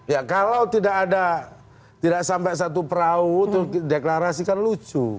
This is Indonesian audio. ya kalau tidak ada tidak sampai satu perahu deklarasi kan lucu